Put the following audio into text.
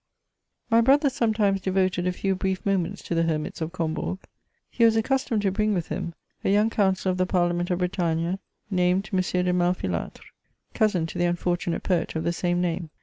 My brother sometimes devoted a few brief moments to the hermits of Combourg ; he was accustomed to bring with him CHATEAUBRIAND. 131 a joimg councillor of the Parliament of Bretagne, named M. de Malfilatre, cousin to the unfortunate poet of the same name.